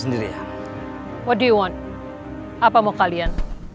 ini ribuan ibu euhan